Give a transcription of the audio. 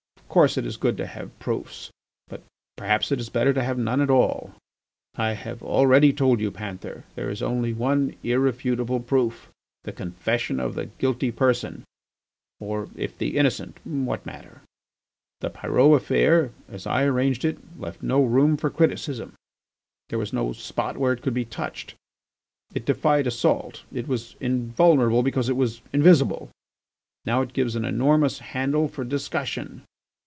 of course it is good to have proofs, but perhaps it is better to have none at all. I have already told you, Panther, there is only one irrefutable proof, the confession of the guilty person (or if the innocent what matter!). The Pyrot affair, as I arranged it, left no room for criticism; there was no spot where it could be touched. It defied assault. It was invulnerable because it was invisible. Now it gives an enormous handle for discussion.